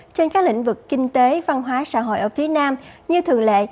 trên các lĩnh vực kinh tế văn hóa xã hội ở phía nam như thường lệ